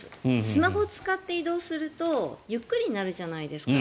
スマホを使って移動をするとゆっくりになるじゃないですか。